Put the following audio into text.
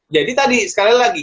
jadi tadi sekali lagi